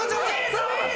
そう！